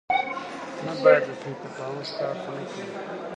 نه باید د سوء تفاهم ښکار شو، نه کېږو.